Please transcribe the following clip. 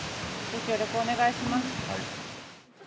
ご協力お願いします。